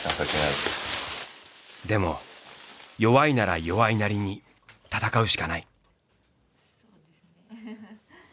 でも弱いなら弱いなりに闘うしかない。